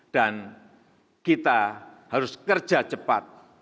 dan kita harus kerja cepat